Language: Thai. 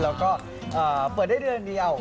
แล้วก็เปิดได้เดือนเดียว